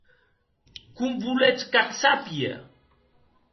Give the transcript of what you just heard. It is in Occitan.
Com voletz qu'ac sàpie?